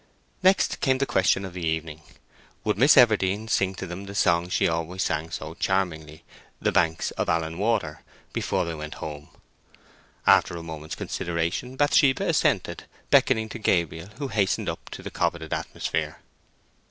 Next came the question of the evening. Would Miss Everdene sing to them the song she always sang so charmingly—"The Banks of Allan Water"—before they went home? After a moment's consideration Bathsheba assented, beckoning to Gabriel, who hastened up into the coveted atmosphere.